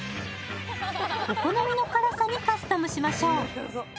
お好みの辛さにカスタムしましょう。